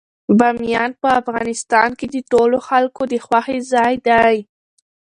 بامیان په افغانستان کې د ټولو خلکو د خوښې ځای دی.